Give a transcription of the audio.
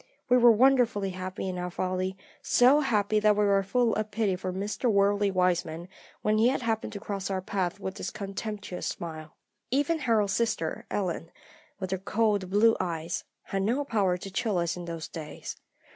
We were wonderfully happy in our folly, so happy that we were full of pity for Mr. Worldly Wiseman when he happened to cross our path with his contemptuous smile. Even Harold's sister Ellen, with her cold blue eyes, had no power to chill us in those days.